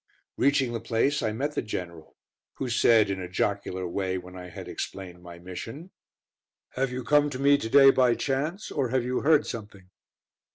Reaching the place I met the General, who said, in a jocular way, when I had explained my mission: "Have you come to me to day by chance, or have you heard something?"